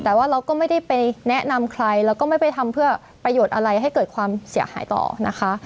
แต่ว่าเราก็ไม่ได้ไปแนะนำใครแล้วก็ไม่ไปทำเพื่อประโยชน์อะไรให้เกิดความเสียหายต่อนะคะ